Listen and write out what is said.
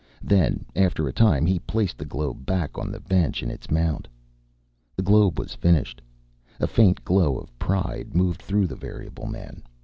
Then, after a time, he placed the globe back on the bench, in its mount. The globe was finished. A faint glow of pride moved through the variable man.